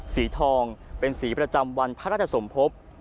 สีทองเป็นสีประจำวันพระราชสมภพ